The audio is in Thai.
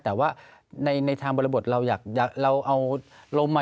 แต่ว่าในทางบริบทเราอยากเราเอาลมมา